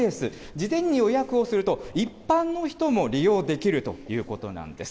このスペース、事前に予約をすると一般の人も利用できるということなんです。